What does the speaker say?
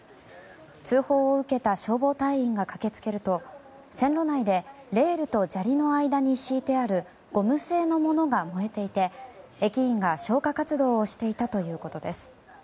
通報を受けた消防隊員が駆け付けると線路内でレールと砂利の間に敷いてあるゴム製のものが燃えていて駅員が消火活動をしていたということです。